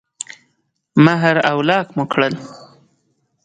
مهر او لاک مو کړل.